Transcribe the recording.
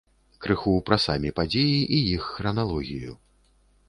Крыху пра самі падзеі і іх храналогію.